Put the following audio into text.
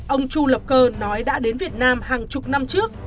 ông chu lập cơ nói đã đến việt nam hàng chục năm trước